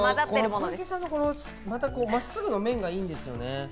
小池さんのまっすぐな麺がまたいいんですよね。